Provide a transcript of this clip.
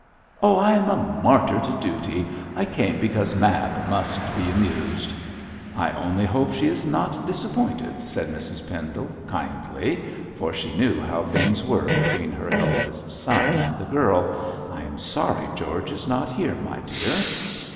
'Oh, I am a martyr to duty. I came because Mab must be amused!' 'I only hope she is not disappointed,' said Mrs Pendle, kindly, for she knew how things were between her eldest son and the girl. 'I am sorry George is not here, my dear.'